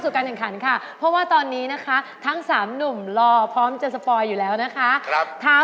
แปรมากเลยค่ะแปรได้ค่ะแปรว่า